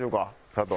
佐藤。